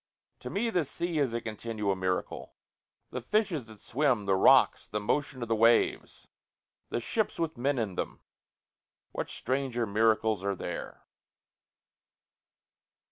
To me the sea is a continual miracle, The fishes that swim the rocks the motion of the waves the ships with men in them, What stranger miracles are there?